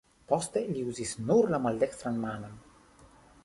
Poste li uzis nur la maldekstran manon.